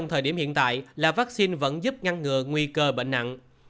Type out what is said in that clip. trong thời điểm hiện tại là vaccine vẫn giúp ngăn ngừa nguy cơ bệnh nặng